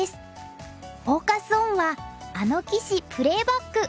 フォーカス・オンは「あの棋士プレーバック！